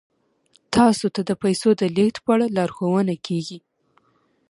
تاسو ته د پیسو د لیږد په اړه لارښوونه کیږي.